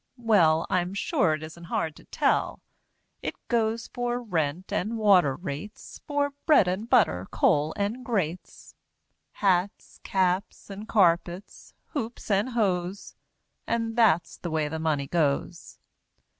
Well, I'm sure it isn't hard to tell; It goes for rent, and water rates, For bread and butter, coal and grates, Hats, caps, and carpets, hoops and hose, And that's the way the Money goes!